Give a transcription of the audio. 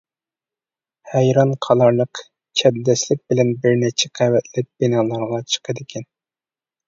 ھەيران قالارلىق چەبدەسلىك بىلەن بىرنەچچە قەۋەتلىك بىنالارغا چىقىدىكەن.